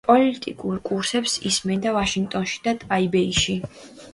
პოლიტიკურ კურსებს ისმენდა ვაშინგტონში და ტაიბეიში.